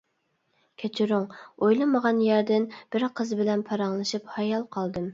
-كەچۈرۈڭ، ئويلىمىغان يەردىن بىر قىز بىلەن پاراڭلىشىپ ھايال قالدىم.